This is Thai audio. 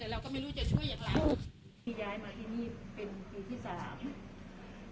แต่เราก็ไม่รู้จะช่วยอย่างไรที่ย้ายมาที่นี่เป็นปีที่สาม